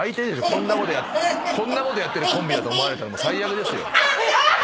こんなことやってるコンビだと思われたら最悪ですよ。